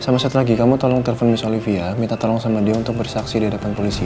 sama sekali lagi kamu tolong telepon miss olivia minta tolong sama dia untuk bersaksi di depan polisi ya